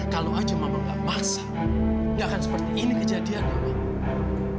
kalau aja mama gak paksa gak akan seperti ini kejadiannya pak